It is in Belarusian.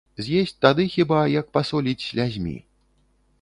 З'есць тады хіба, як пасоліць слязьмі.